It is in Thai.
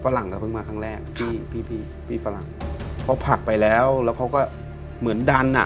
หลังเราเพิ่งมาครั้งแรกที่พี่พี่ฝรั่งเขาผลักไปแล้วแล้วเขาก็เหมือนดันอ่ะ